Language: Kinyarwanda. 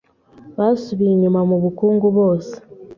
basubiye inyuma mu bukungu bose